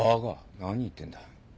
何言ってんだ。